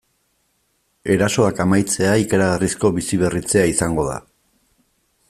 Erasoak amaitzea ikaragarrizko biziberritzea izango da.